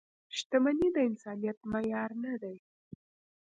• شتمني د انسانیت معیار نه دی.